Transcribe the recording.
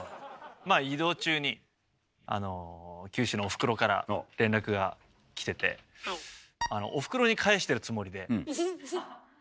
まあ移動中に九州のおふくろからの連絡が来てておふくろに返してるつもりで。